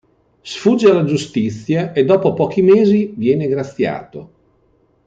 Sfugge alla giustizia, e dopo pochi mesi viene graziato.